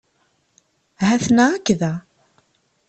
Ha-ten-a akk da.